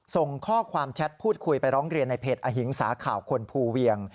ส่งข้อความแชทพูดคุยไปร้องเรียนในเพจอหิงสาข่าวคนภูเวียง